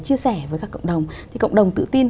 chia sẻ với các cộng đồng thì cộng đồng tự tin